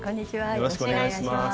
よろしくお願いします。